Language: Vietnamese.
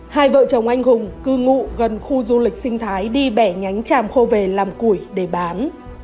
hai vợ chồng anh hùng cư ngụ gần khu du lịch sinh thái đi bẻ nhánh tràm khô về làm củi để bán